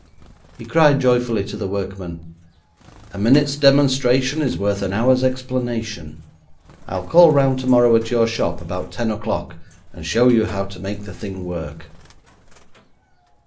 He cried joyfully to the workman: 'A minute's demonstration is worth an hour's explanation. I'll call round tomorrow at your shop, about ten o'clock, and show you how to make the thing work.'